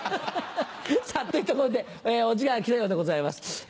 さぁというところでお時間が来たようでございます。